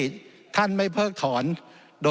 จำนวนเนื้อที่ดินทั้งหมด๑๒๒๐๐๐ไร่